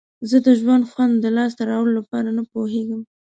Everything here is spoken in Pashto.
زه د ژوند خوند د لاسته راوړلو لپاره نه پوهیږم.